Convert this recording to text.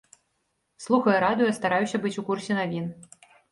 Слухаю радыё, стараюся быць у курсе навін.